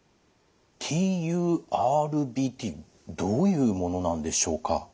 ＴＵＲＢＴどういうものなんでしょうか？